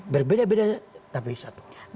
berbeda beda tapi satu